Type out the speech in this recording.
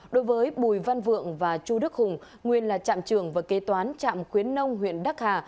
đối với bùi văn vượng và chu đức hùng nguyên là trạm trưởng và kế toán trạm khuyến nông huyện đắc hà